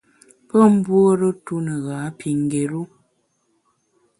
Pe mbuore tu ne gha pi ngéru.